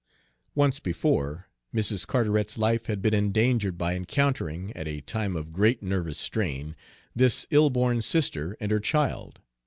Once before, Mrs. Carteret's life had been endangered by encountering, at a time of great nervous strain, this ill born sister and her child.